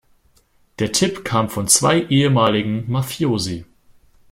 Der Tipp kam von zwei ehemaligen Mafiosi.